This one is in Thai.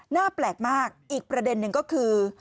แปลกมากอีกประเด็นหนึ่งก็คือ